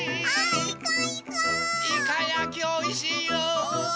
イカやきおいしいよ！